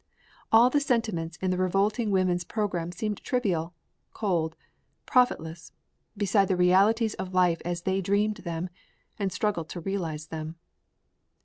All the sentiments in the revolting women's program seemed trivial, cold, profitless beside the realities of life as they dreamed them and struggled to realize them.